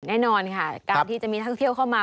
แน่นอนค่ะการที่จะมีท่องเที่ยวเข้ามา